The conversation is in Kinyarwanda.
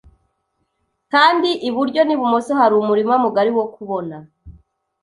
Kandi iburyo n'ibumoso hari umurima mugari wo kubona